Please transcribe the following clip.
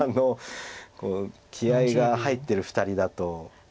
気合いが入ってる２人だと。